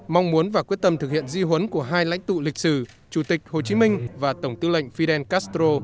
mong muốn và quyết tâm thực hiện di huấn của hai lãnh tụ lịch sử chủ tịch hồ chí minh và tổng tư lệnh fidel castro